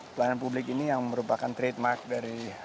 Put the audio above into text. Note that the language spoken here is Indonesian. pelayanan publik ini yang merupakan trademark dari